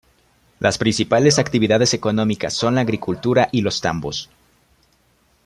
Las principales actividades económicas son la agricultura y los tambos.